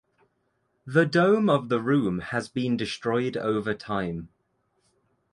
The dome of the room has been destroyed over time.